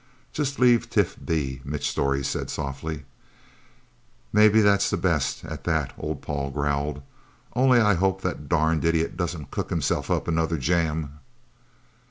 "Just leave Tif be," Mitch Storey said softly. "Maybe that's best, at that," old Paul growled. "Only I hope the darned idiot doesn't cook himself up another jam..."